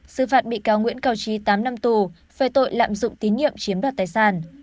sự phạt bị cáo nguyễn cao trí tám năm tù về tội lạm dụng tín nhiệm chiếm đoạt tài sản